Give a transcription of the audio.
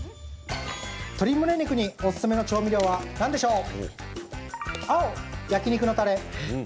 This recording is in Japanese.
鶏むね肉におすすめの調味料は何でしょう。